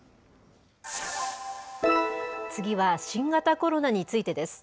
次は、新型コロナについてです。